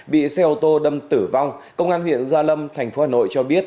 bị xe ô tô đâm tử vong công an huyện gia lâm thành phố hà nội cho biết